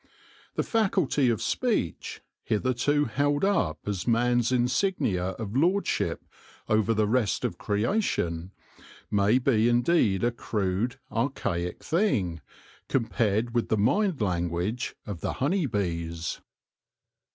The faculty of speech, hitherto held up as man's insignia of lordship over the rest of creation, may be indeed a crude, archaic thing, compared with the mind language of the honey bees.